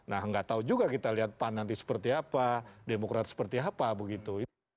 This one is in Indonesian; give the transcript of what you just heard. atau juga kita lihat pan nanti seperti apa demokrat seperti apa begitu